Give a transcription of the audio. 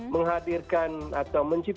menghadirkan aset yang solid